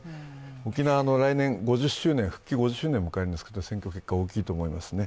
沖縄の来年復帰５０周年を迎えるんですが、選挙結果は大きいと思います。